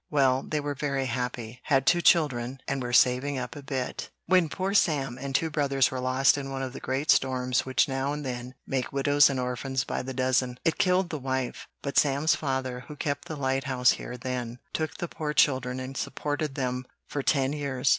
Well, they were very happy, had two children, and were saving up a bit, when poor Sam and two brothers were lost in one of the great storms which now and then make widows and orphans by the dozen. It killed the wife; but Sam's father, who kept the lighthouse here then, took the poor children and supported them for ten years.